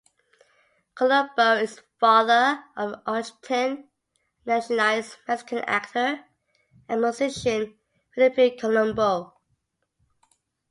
Colombo is father of the Argentine nationalized Mexican actor and musician Felipe Colombo.